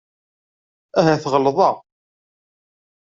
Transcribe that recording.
Ahat ɣelḍeɣ.